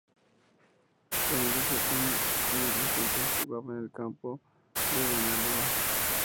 El Lucentum mientras tanto, jugaba en el campo de Benalúa.